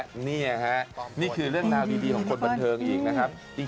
นี่ฮะนี่คือเรื่องราวดีของคนบันเทิงอีกนะครับ